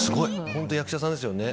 本当に役者さんですね